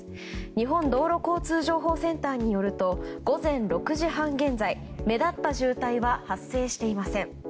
日本道路交通情報センターによると午前６時半現在、目立った渋滞は発生していません。